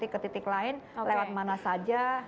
ke titik lain lewat mana saja